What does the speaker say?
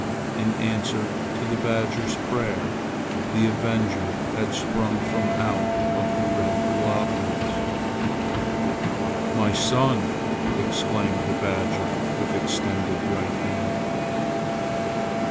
In answer to the badger's prayer, the avenger had sprung from out the red globules. "My son!" exclaimed the badger with extended right hand.